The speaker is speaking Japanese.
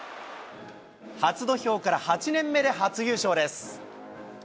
初土俵から８年目で初優勝です。